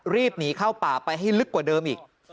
รีบหนีเข้าป่าไปให้ลึกกว่าเดิมอีก